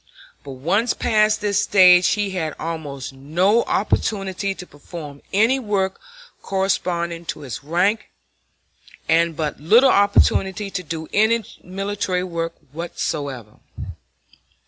But once past this stage he had almost no opportunity to perform any work corresponding to his rank, and but little opportunity to do any military work whatsoever.